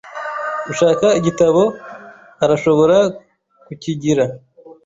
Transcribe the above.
Ushaka igitabo arashobora kukigira.